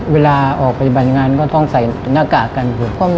เวลาออกพยาบาลงานก็ต้องใส่หน้ากากกันผุ่น